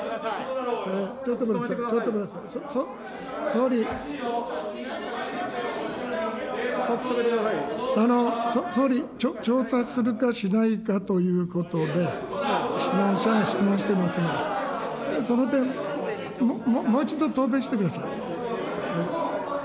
総理、調査するかしないかということで、質問者が質問してますので、その点、もう一度答弁してください。